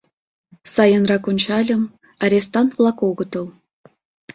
Сайынрак ончальым — арестант-влак огытыл.